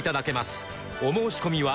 お申込みは